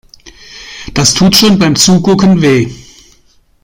Das tut schon beim Zugucken weh.